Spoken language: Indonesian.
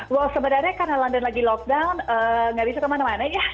wow sebenarnya karena london lagi lockdown nggak bisa kemana mana ya